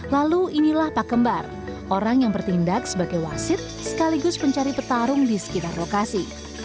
lalu inilah pak kembar orang yang bertindak sebagai wasit sekaligus pencari petarung di sekitar lokasi